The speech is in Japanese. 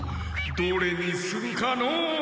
どれにするかのう。